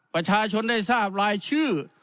ประชาชนได้ทราบรายชื่อ